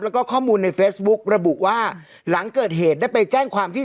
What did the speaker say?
แล้วก็ข้อมูลในเฟซบุ๊กระบุว่าหลังเกิดเหตุได้ไปแจ้งความที่